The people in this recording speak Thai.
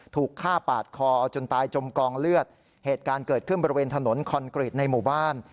ถูกฆ่าปาดคอจนตายจมกองเลือดเหตุการณ์เกิดขึ้นบริเวณถนนคอนกรีตในหมู่บ้าน